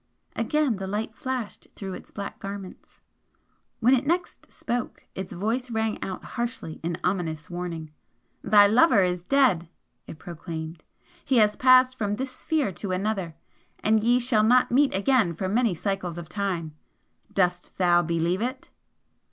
Again the light flashed through its black garments. When it next spoke, its voice rang out harshly in ominous warning. "Thy lover is dead!" it proclaimed "He has passed from this sphere to another, and ye shall not meet again for many cycles of time! DOST THOU BELIEVE IT?"